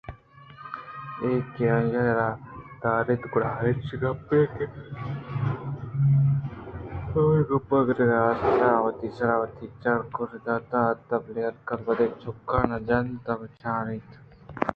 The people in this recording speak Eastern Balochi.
کہ اے آئیءَرا رد دنت؛ گُڑامیشءَ اے گپّءَرا نہ منّ اِتءُ گوٛشت گُرک ہمارستریں کہ وت سرا وت چکبور دئیگ آئی ءِ عادتءُ ہیل اِنتءُ بدلءَچَک نہ جنت نہ چاریت